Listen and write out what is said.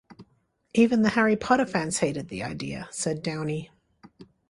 "Even the Harry Potter fans hated the idea," said Downey.